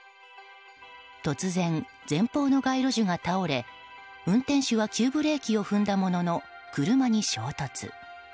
突然、前方の街路樹が倒れ運転手は急ブレーキを踏んだものの車に衝突。